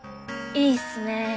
いいっすね。